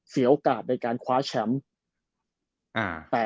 เสียโอกาสในการคว้าแชมป์